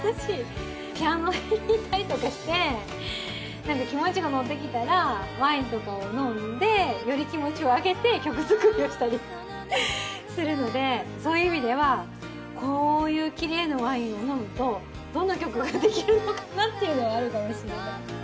ピアノ弾いたりとかして気持ちがノッてきたらワインとかを飲んでより気持ちを上げて曲作りをしたりするのでそういう意味ではこういう奇麗なワインを飲むとどんな曲ができるのかなっていうのはあるかもしれない。